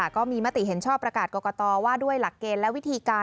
ก็มีมติเห็นชอบประกาศกรกตว่าด้วยหลักเกณฑ์และวิธีการ